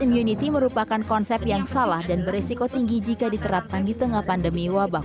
immunity merupakan konsep yang salah dan beresiko tinggi jika diterapkan di tengah pandemi wabah